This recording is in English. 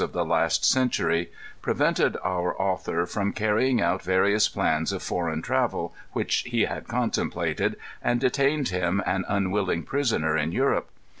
of the last century prevented our author from carrying out various plans of foreign travel which he had contemplated, and detained him an unwilling prisoner in Europe.